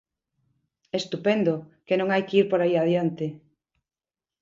Estupendo, que non hai que ir por aí adiante.